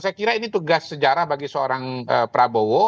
saya kira ini tugas sejarah bagi seorang prabowo